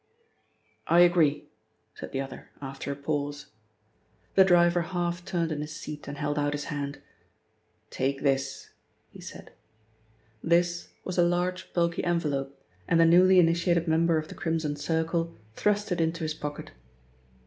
"I agree," said the other after a pause. The driver half turned in his seat and held out his hand. "Take this," he said. "This" was a large, bulky envelope, and the newly initiated member of the Crimson Circle thrust it into his pocket.